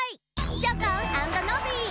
チョコンアンドノビー！